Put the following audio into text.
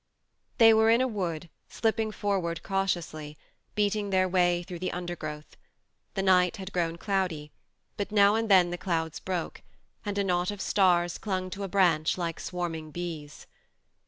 They were in a wood, slipping for ward cautiously, beating their way through the under growth. The night had grown cloudy, but now and then the clouds broke, and a knot of stars clung to a branch like swarming bees.